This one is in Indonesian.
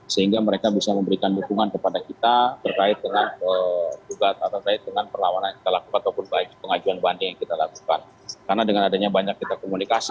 sehingga mereka bisa memberikan dukungan kepada kita terkait dengan perlawanan kita lakukan ataupun pengajuan banding yang kita lakukan karena dengan adanya banyak kita komunikasi